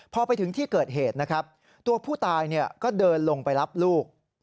พอไปถึงที่เกิดเหตุนะครับตัวผู้ตายก็เดินลงไปรับลูก